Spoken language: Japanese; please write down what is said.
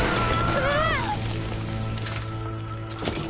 うわっ！